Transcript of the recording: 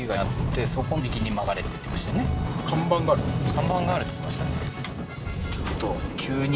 看板があるって言ってましたね